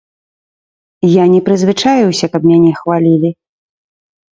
Я не прызвычаіўся, каб мяне хвалілі.